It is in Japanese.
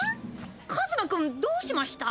カズマ君どうしました？